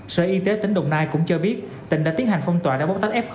sở y tế tỉnh đồng nai cũng cho biết tỉnh đã tiến hành phong tỏa đã bốc tách f